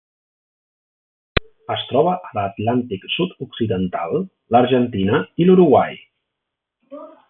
Es troba a l'Atlàntic sud-occidental: l'Argentina i l'Uruguai.